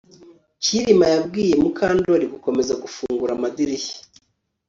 Kirima yabwiye Mukandoli gukomeza gufungura amadirishya